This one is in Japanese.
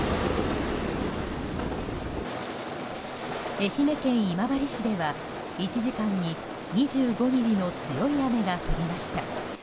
愛媛県今治市では１時間に２５ミリの強い雨が降りました。